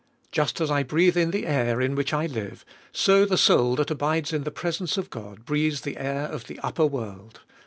Just as I breathe in the air in which I live, so the soul that abides in the presence of God breathes the air of the upper world.